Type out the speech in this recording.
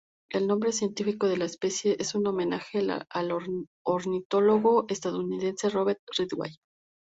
El nombre científico de la especie es un homenaje al ornitólogo estadounidense Robert Ridgway.